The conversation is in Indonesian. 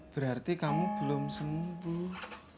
berarti kamu belum sembuh